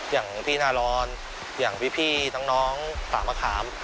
อย่างพี่นารอนอย่างพี่น้องปากมะขาม